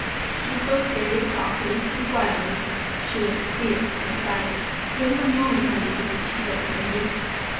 She spoke very softly and quietly, but she looked queer and excited. "Wait one moment, my dear," she said to Peggy.